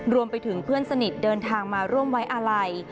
รวมไปถึงเพื่อนสนิทเดินทางมาร่วมไว้อาลัย